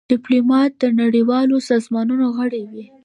ډيپلومات د نړېوالو سازمانونو غړی وي.